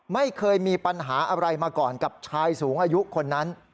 ไม่เคยมีปัญหาอะไรมาก่อนกับชายสูงอายุคนนั้น